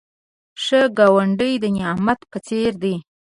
ښه ګاونډی د نعمت په څېر دی